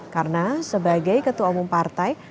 karena sebagai ketua umum partai